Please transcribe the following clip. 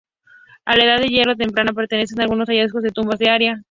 A la Edad del Hierro temprana pertenecen algunos hallazgos de tumbas del área.